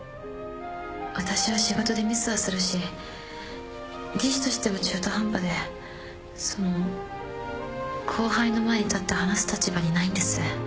私は仕事でミスはするし技師としては中途半端でその後輩の前に立って話す立場にないんです。